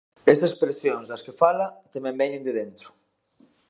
Esas presións das que fala tamén veñen de dentro.